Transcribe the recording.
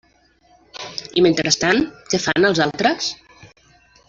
I mentrestant, ¿què fan els altres?